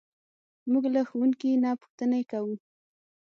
موږ له ښوونکي نه پوښتنې کوو.